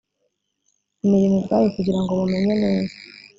imirimo ubwayo kugira ngo mumenye neza